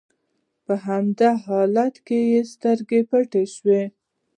په همدې حال کې يې سترګې پټې شي.